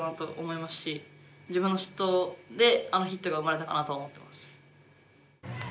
自分の失投であのヒットが生まれたかなと思ってます。